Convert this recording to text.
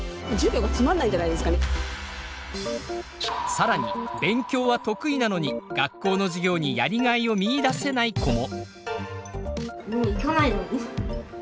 更に勉強は得意なのに学校の授業にやりがいを見いだせない子も。